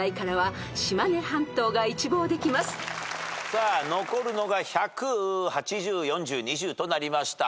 さあ残るのが１００８０４０２０となりました。